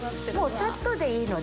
サッとでいいので。